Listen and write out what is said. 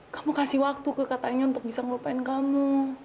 kamu kasih waktu ke katanya untuk bisa melupain kamu